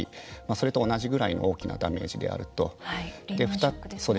それと同じぐらいの大きなダメージであると。